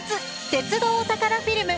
鉄道お宝フィルム」。